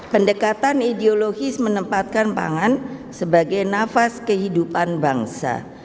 pendekatan ideologis menempatkan pangan sebagai nafas kehidupan bangsa